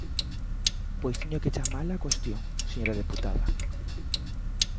Pois teño que chamala á cuestión, señora deputada.